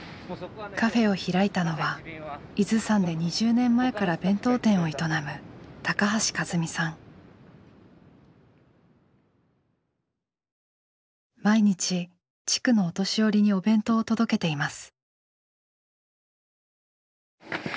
カフェを開いたのは伊豆山で２０年前から弁当店を営む毎日地区のお年寄りにお弁当を届けています。